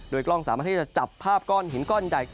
กล้องสามารถที่จะจับภาพก้อนหินก้อนใหญ่